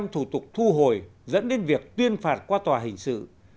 một mươi thủ tục thu hồi dẫn đến việc tuyên phạt qua tòa hình sự